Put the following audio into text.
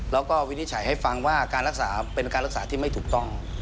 แล้วก็วินิจฉัยให้ฟังว่าการรักษาเป็นการรักษาที่ไม่ถูกต้อง